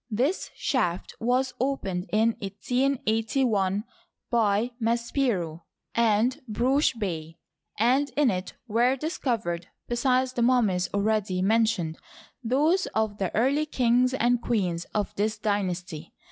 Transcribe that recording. This shaft was opened in 1881 by Maspero and Brugsch Bey, and in it were discovered, besides the mummies already mentioned, those of the early kings and queens of this dynasty.